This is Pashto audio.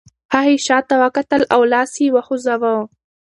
هغې شاته وکتل او لاس یې وخوځاوه.